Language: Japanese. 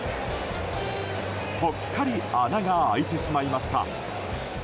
ぽっかり穴が開いてしまいました。